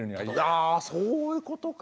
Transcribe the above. あそういうことか。